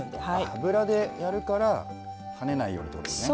油でやるから跳ねないようにってことですね。